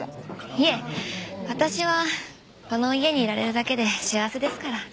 いえ私はこの家にいられるだけで幸せですから。